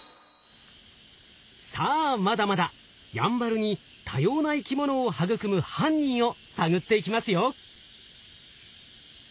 さあまだまだやんばるに多様な生き物を育む犯人を探っていきますよ！